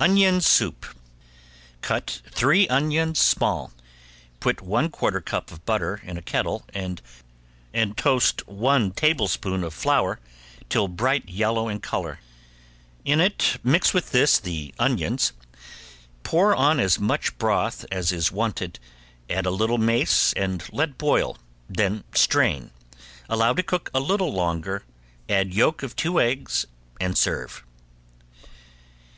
~ONION SOUP~ Cut three onions small, put one quarter cup of butter in a kettle and toast one tablespoon flour till bright yellow in color; in it mix with this the onions, pour on as much broth as is wanted, add a little mace and let boil, then strain, allow to cook a little longer, add yolk of two eggs, and serve.